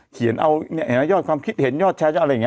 เขียนเอาเห็นไหมยอดความคิดเห็นยอดแชร์อะไรอย่างนี้